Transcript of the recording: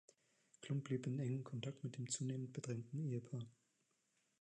Klumpp blieb in engem Kontakt mit dem zunehmend bedrängten Ehepaar.